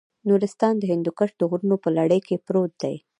نورستان د هندوکش د غرونو په لړۍ کې پروت دی.